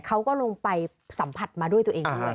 เขาก็ลงไปสัมผัสมาด้วยตัวเองด้วย